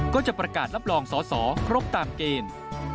ก็จะประกาศรับรองสอสอครบตามเกณฑ์